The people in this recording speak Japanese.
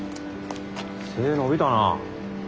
背伸びたなあ。